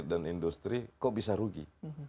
dan industri kok bisa rugi